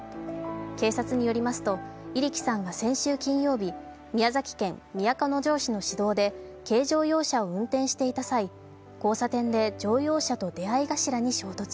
警察によりますと入来さんは先週金曜日宮崎県都城市の市道で軽乗用車を運転していた際、交差点で乗用車と出会い頭に衝突。